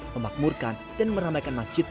memakmurkan dan meramaikan masjid